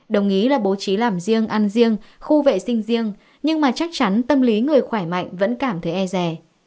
đồng ý là bố trí làm riêng ăn riêng khu vệ sinh riêng nhưng mà chắc chắn tâm lý người khỏe mạnh vẫn cảm thấy e rè